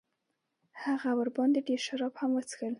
هغه ورباندې ډېر شراب هم وڅښل.